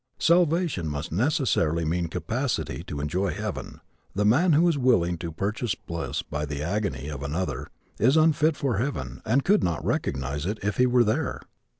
Salvation must necessarily mean capacity to enjoy heaven. The man who is willing to purchase bliss by the agony of another is unfit for heaven and could not recognize it if he were there.